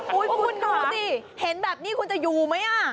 คุณดูสิเห็นแบบนี้คุณจะอยู่ไหมอ่ะ